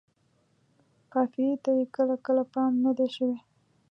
قافیې ته یې کله کله پام نه دی شوی.